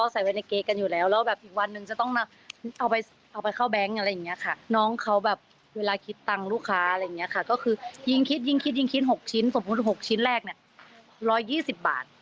สมมติ๖ชิ้นแรก๑๒๐บาท